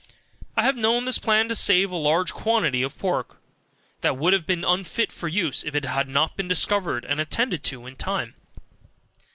I have known this plan to save a large quantity of pork, that would have been unfit for use, if it had not been discovered and attended to in time.